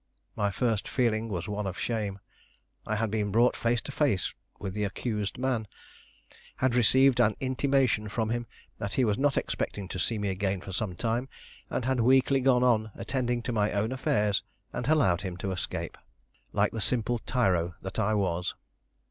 My first feeling was one of shame. I had been brought face to face with the accused man, had received an intimation from him that he was not expecting to see me again for some time, and had weakly gone on attending to my own affairs and allowed him to escape, like the simple tyro that I was.